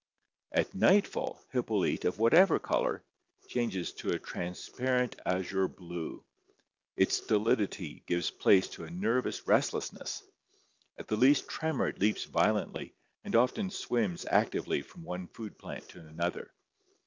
At nightfall, Hippolyte, of whatever color, changes to a transparent azure blue: its stolidity gives place to a nervous rest lessness; at the least tremor it leaps violently and often swims actively from one food plant to another.